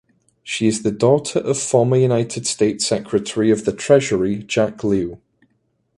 She is the daughter of former United States Secretary of the Treasury Jack Lew.